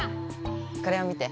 これを見て！